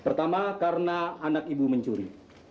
pertama karena anak ibu mencuri